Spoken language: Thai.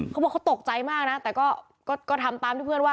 เขาบอกเขาตกใจมากนะแต่ก็ทำตามที่เพื่อนว่า